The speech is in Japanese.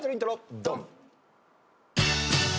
ドン！